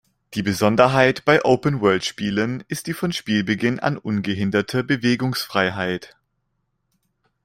Die Besonderheit bei Open-World-Spielen ist die von Spielbeginn an ungehinderte Bewegungsfreiheit.